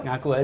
ngaku aja deh